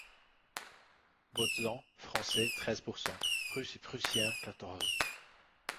Bautzen, français, treize pour cent ; russes et prussiens, quatorze.